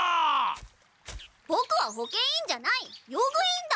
ボクは保健委員じゃない用具委員だ。